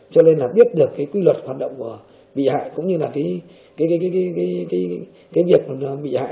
cho nên là biết được cái quy luật hoạt động của bị hại cũng như là cái việc bị hại ở một mình như vậy